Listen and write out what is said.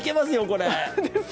これ。